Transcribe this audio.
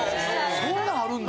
そんなんあるんだ？